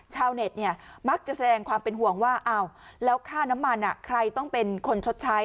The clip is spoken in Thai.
ชาวเน็ตเนี่ยมักจะแสดงความเป็นห่วงว่าอ้าวแล้วค่าน้ำมันใครต้องเป็นคนชดใช้